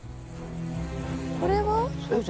これは？